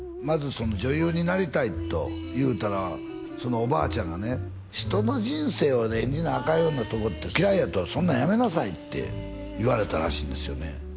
まず女優になりたいと言うたらおばあちゃんがね人の人生を演じなあかんようなとこって嫌いやとそんなんやめなさいって言われたらしいんですよね